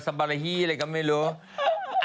บาราฮีอะไรก็ไม่รู้